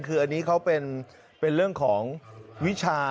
คืออันนี้เขาเป็นเรื่องของวิชา